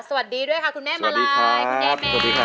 สวัสดีด้วยค่ะคุณแม่มาลัยคุณแม่แม่สวัสดีครับ